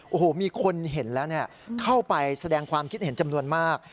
โอ้โหมีคนเห็นแล้วเข้าไปแสดงความคิดเห็นจำนวนมาก